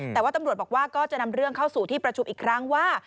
แต่ว่าตำรวจบอกว่าก็จะนำเรื่องเข้าสู่ที่ประชุมอีกครั้งว่า